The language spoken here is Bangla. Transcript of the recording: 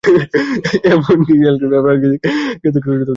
এমনকি শেল গ্যাস বা প্রাকৃতিক গ্যাস থেকেও তৈরি করা যেতে পারে।